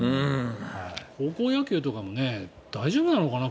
高校野球とかも大丈夫なのかな？